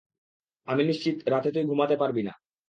আমি নিশ্চিত রাতে তুই ঘুমাতে পারবি না।